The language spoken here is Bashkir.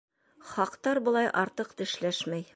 Хаҡтар былай артыҡ «тешләшмәй».